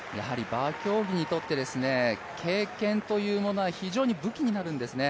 バー競技にとって経験というものは非常に武器になるんですね。